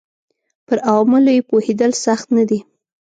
پر عواملو یې پوهېدل سخت نه دي